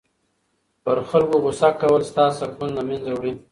پر خلکو غصه کول ستا سکون له منځه وړي.